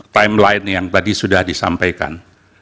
timeline yang tadi sudah disampaikan